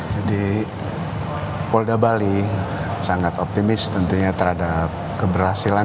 jadi polda bali sangat optimis tentunya terhadap keberhasilan